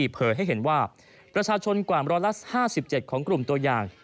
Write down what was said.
เจอให้เห็นว่าประชาชนกว่าบรรลัส๕๗ของกลุ่มตัวยาง